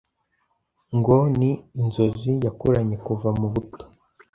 ngo ni inzozi yakuranye kuva mu buto